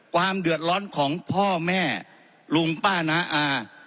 ความเดือดร้อนของพ่อแม่ลุงป้าน้าอา